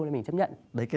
thì mình chấp nhận